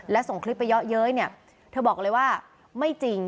และส่งคลิปไปเยอะเย้ยเนี่ยเธอบอกเลยว่าไม่จริง